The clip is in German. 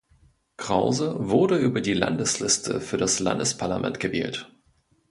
Krause wurde über die Landesliste für das Landesparlament gewählt.